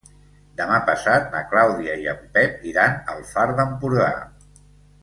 Demà passat na Clàudia i en Pep iran al Far d'Empordà.